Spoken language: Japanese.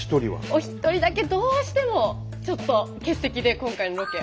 お一人だけどうしてもちょっと欠席で今回のロケ。